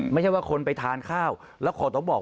ไม่ใช่ว่าคนไปทานข้าวแล้วขอต้องบอก